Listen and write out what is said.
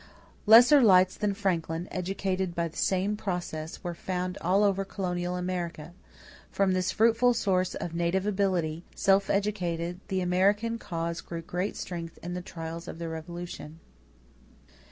Lesser lights than Franklin, educated by the same process, were found all over colonial America. From this fruitful source of native ability, self educated, the American cause drew great strength in the trials of the Revolution.